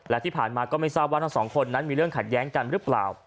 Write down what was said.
และที่ผ่านมาก็ไม่ทราบว่าทั้งสองคนนั้นมีเรื่องขัดแย้งกันหรือเปล่า